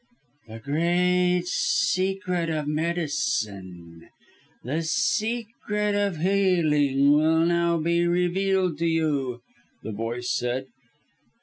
"The great secret of medicine the secret of healing will now be revealed to you," the voice said.